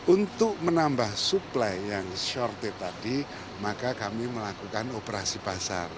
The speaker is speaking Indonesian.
untuk menambah supply yang shorty tadi maka kami melakukan operasi pasar